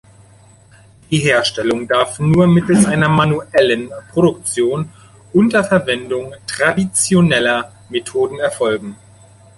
Die Herstellung darf nur mittels einer manuellen Produktion unter Verwendung traditioneller Methoden erfolgen.